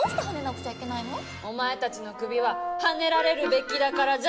お前たちの首ははねられるべきだからじゃ。